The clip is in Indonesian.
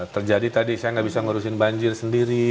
terjadi tadi saya gak bisa ngerusin banjir sendiri